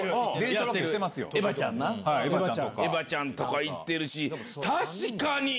エヴァちゃんとか行ってるし確かに！